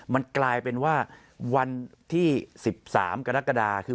มันกลายเป็นว่าวันที่๑๓กรกฎาคือ